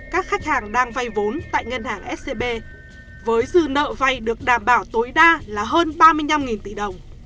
các khách hàng đang vay vốn tại ngân hàng scb với dư nợ vay được đảm bảo tối đa là hơn ba mươi năm tỷ đồng